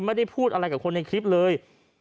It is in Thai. ไม่ได้พูดอะไรกับคนในคลิปเลย